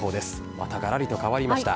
またガラリと変わりました。